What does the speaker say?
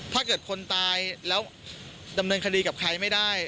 ถ้าเกิดคนตายแล้วดำเนินคดีกับใครไม่ได้